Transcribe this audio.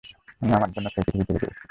আমিই আমার জন্য সেই পৃথিবী তৈরি করেছি।